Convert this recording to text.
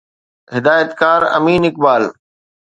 هدايتڪار امين اقبال